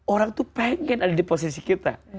orang itu pengen ada di posisi kita